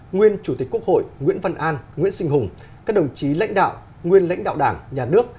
nguyên chủ tịch quốc hội nguyễn văn an nguyễn sinh hùng các đồng chí lãnh đạo nguyên lãnh đạo đảng nhà nước